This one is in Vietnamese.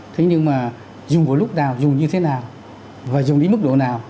thế nhưng mà dùng vào lúc nào dùng như thế nào và dùng đến mức độ nào